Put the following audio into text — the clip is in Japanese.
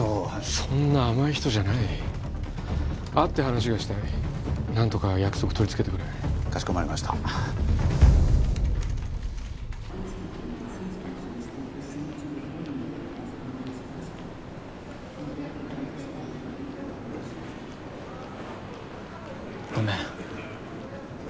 そんな甘い人じゃない会って話がしたい何とか約束とりつけてくれかしこまりましたごめん